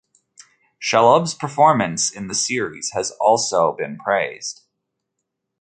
Shalhoub's performance in the series has also been praised.